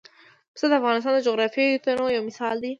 پسه د افغانستان د جغرافیوي تنوع یو مثال دی.